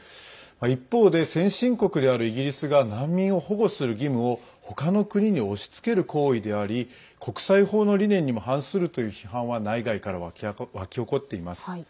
一方で、先進国であるイギリスが難民を保護する義務をほかの国に押し付ける行為であり国際法の理念にも反するという批判は内外から湧き起こっています。